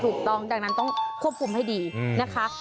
ถูกต้องดังนั้นต้องควบคุมให้ดีนะคะ